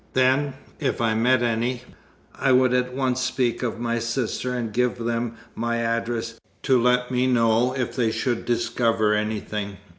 Then, if I met any, I would at once speak of my sister, and give them my address, to let me know if they should discover anything.